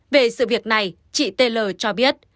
về sự việc này chị t l cho biết